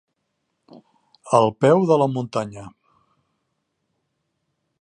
Al peu de la muntanya.